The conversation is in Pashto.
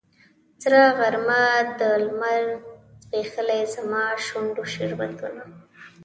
سره غرمه ده لمر ځبیښلې زما د شونډو شربتونه